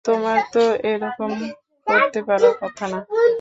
তোমার তো এরকম করতে পারার কথা না।